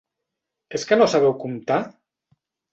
És que no sabeu comptar?